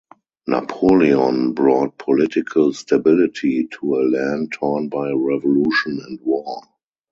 Napoleon brought political stability to a land torn by revolution and war.